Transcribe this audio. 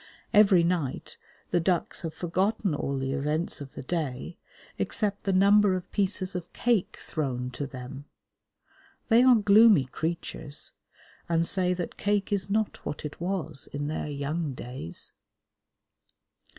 Every night the ducks have forgotten all the events of the day, except the number of pieces of cake thrown to them. They are gloomy creatures, and say that cake is not what it was in their young days.